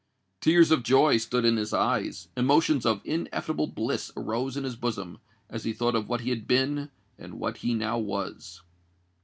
Tears of joy stood in his eyes—emotions of ineffable bliss arose in his bosom, as he thought of what he had been, and what he now was.